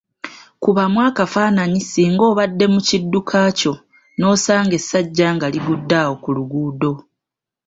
Kubamu akafaananyi singa obadde mu kidduka kyo n‘osanga essajja nga ligudde awo ku luguudo.